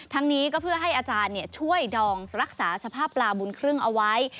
นี้ก็เพื่อให้อาจารย์ช่วยดองรักษาสภาพปลาบุญครึ่งเอาไว้